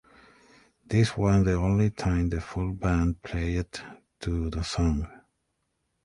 This was the only time the full band played the song.